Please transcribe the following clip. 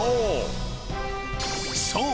［そう。